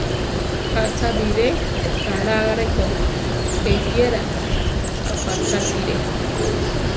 Ka cha biré raláre ko; eyéra apachátire.